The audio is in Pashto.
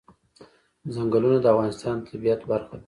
ځنګلونه د افغانستان د طبیعت برخه ده.